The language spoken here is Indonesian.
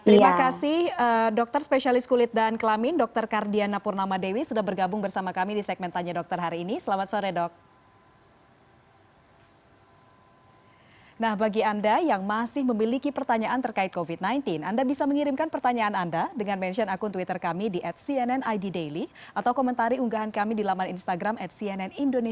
terima kasih dokter spesialis kulit dan kelamin dokter kardiana purnama dewi sudah bergabung bersama kami di segmen tanya dokter hari ini